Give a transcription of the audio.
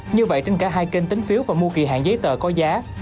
như vậy trên cả hai kênh tính phiếu và mua kỳ hạn giấy tờ có giá